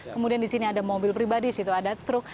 kemudian disini ada mobil pribadi disitu ada truk